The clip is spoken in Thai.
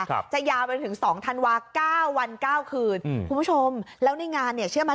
ครับจะยาวไปถึงสองธันวาเก้าวันเก้าคืนอืมคุณผู้ชมแล้วในงานเนี่ยเชื่อไหม